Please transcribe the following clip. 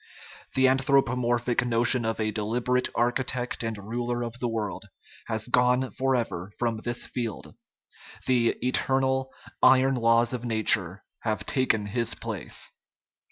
The anthropomorphic notion of a deliberate architect and ruler of the world has gone forever from this field; the "eternal, iron laws of nature" have taken his place.